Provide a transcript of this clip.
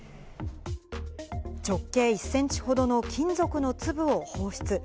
直径１センチほどの金属の粒を放出。